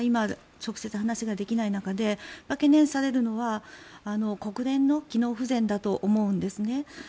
外交と首脳同士で直接、話ができない中で懸念されるのは国連の機能不全だと思うんです。